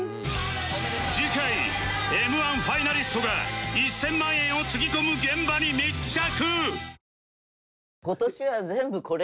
次回 Ｍ−１ ファイナリストが１０００万円をつぎ込む現場に密着